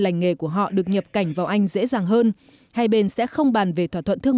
lành nghề của họ được nhập cảnh vào anh dễ dàng hơn hai bên sẽ không bàn về thỏa thuận thương